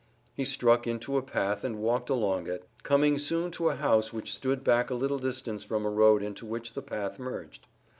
He struck into a path and walked along it, coming soon to a house which stood back a little distance from a road into which the path merged.